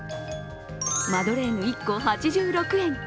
マドレーヌ１個８６円